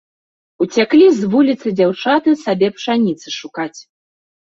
Уцяклі з вуліцы дзяўчаты сабе пшаніцы шукаць.